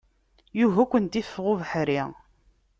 Yugi ad kent-iffeɣ ubeḥri.